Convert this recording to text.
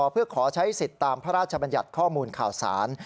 เพื่อขอใช้สิทธิ์ตามพระราชบัญญัติข้อมูลข่าวสาร